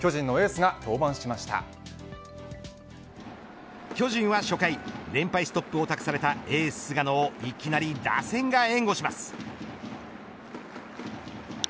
ストップを託されたエース菅野をいきなり打線が援護します。